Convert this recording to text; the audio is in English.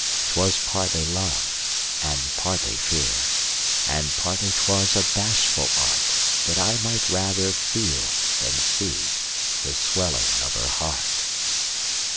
'Twas partly love, and partly fear. And partly 'twas a bashful artThat I might rather feel, than see, The swelling of her heart.